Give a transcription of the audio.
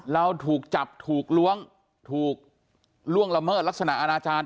เราถูกจับถูกล้วงถูกล่วงละเมิดลักษณะอาณาจารย์